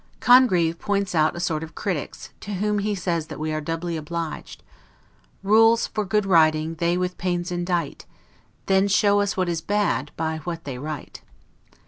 Congreve points out a sort of critics, to whom he says that we are doubly obliged: "Rules for good writing they with pains indite, Then show us what is bad, by what they write."